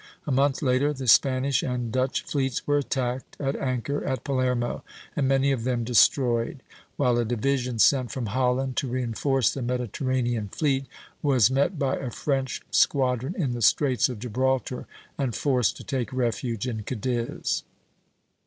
A month later the Spanish and Dutch fleets were attacked at anchor at Palermo, and many of them destroyed; while a division sent from Holland to reinforce the Mediterranean fleet was met by a French squadron in the Straits of Gibraltar and forced to take refuge in Cadiz.